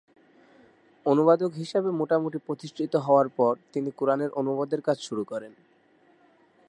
অনুবাদক হিসেবে মোটামুটি প্রতিষ্ঠিত হওয়ার পর তিনি কুরআনের অনুবাদের কাজ শুরু করেন।